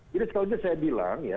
jadi sekali lagi saya bilang ya